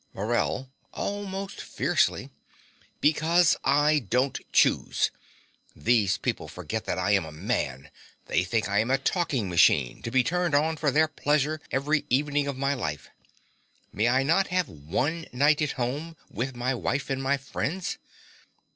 MORELL (almost fiercely). Because I don't choose. These people forget that I am a man: they think I am a talking machine to be turned on for their pleasure every evening of my life. May I not have ONE night at home, with my wife, and my friends?